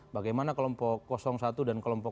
bagaimana kelompok satu dan kelompok dua